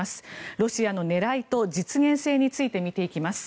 ロシアの狙いと実現性について見ていきます。